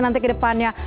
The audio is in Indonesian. nanti ke depannya